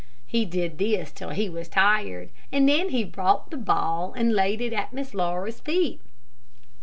He did this till he was tired, and then he brought the ball and laid it at Miss Laura's feet.